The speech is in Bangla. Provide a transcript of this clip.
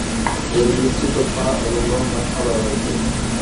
এর বিস্তৃত পা এবং লম্বা থাবা রয়েছে।